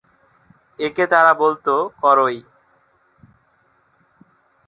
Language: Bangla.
একে তারা বলত ‘করই’।